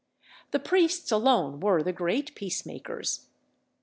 The priests alone were the great peacemakers.